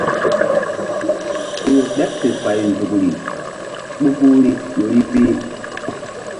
Ku ƴo ɓeɓ fe pay nzukri ɗukuri ƴori pi.